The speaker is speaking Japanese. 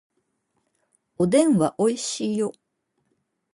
おでんはおいしいよ